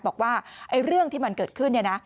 บอกว่าเรื่องที่มันเกิดขึ้น